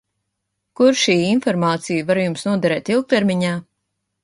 Kur šī informācija var Jums noderēt ilgtermiņā?